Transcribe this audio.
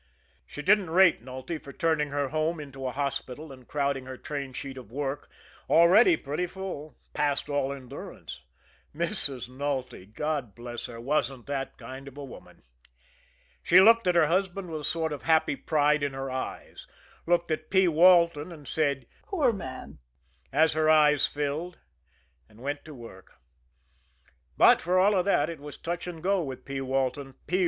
She didn't rate Nulty for turning her home into a hospital, and crowding her train sheet of work, already pretty full, past all endurance Mrs. Nulty, God bless her, wasn't that kind of a woman! She looked at her husband with a sort of happy pride in her eyes; looked at P. Walton, and said, "Poor man," as her eyes filled and went to work. But for all that, it was touch and go with P. Walton P.